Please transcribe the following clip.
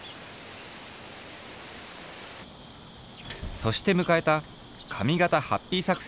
そしてむかえた「髪型ハッピー作戦」